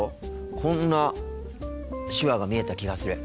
こんな手話が見えた気がする。